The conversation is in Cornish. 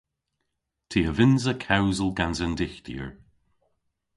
Ty a vynnsa kewsel gans an Dyghtyer.